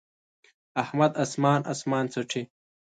احمد اسمان اسمان څټي.